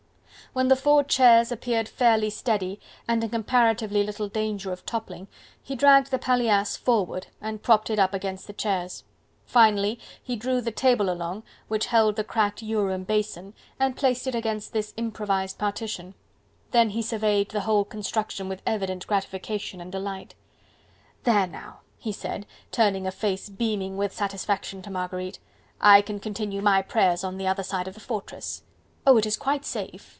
When the four chairs appeared fairly steady, and in comparatively little danger of toppling, he dragged the paillasse forward and propped it up against the chairs. Finally he drew the table along, which held the cracked ewer and basin, and placed it against this improvised partition: then he surveyed the whole construction with evident gratification and delight. "There now!" he said, turning a face beaming with satisfaction to Marguerite, "I can continue my prayers on the other side of the fortress. Oh! it is quite safe..."